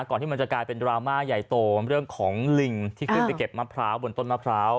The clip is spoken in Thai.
ที่มันจะกลายเป็นดราม่าใหญ่โตเรื่องของลิงที่ขึ้นไปเก็บมะพร้าวบนต้นมะพร้าว